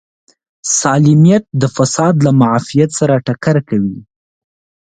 سالمیت د فساد له معافیت سره ټکر کوي.